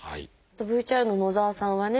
ＶＴＲの野澤さんはね